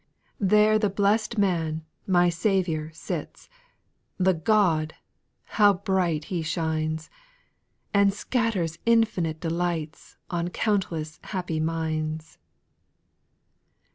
2. There the blest man, my Saviour sits, The Gk)d 1 how bright He shines I And scatters infinite delights On countless happy minds.